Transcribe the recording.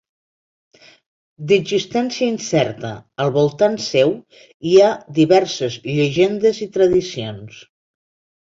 D'existència incerta, al voltant seu hi ha diverses llegendes i tradicions.